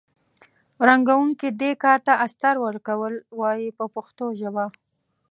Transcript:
رنګوونکي دې کار ته استر ورکول وایي په پښتو ژبه.